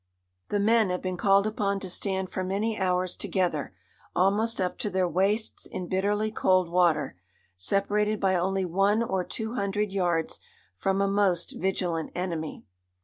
"The men have been called upon to stand for many hours together almost up to their waists in bitterly cold water, separated by only one or two hundred yards from a most vigilant enemy."